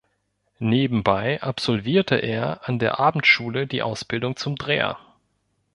Nebenbei absolvierte er an der Abendschule die Ausbildung zum Dreher.